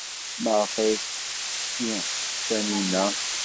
Maɣef ay t-tetti Taninna?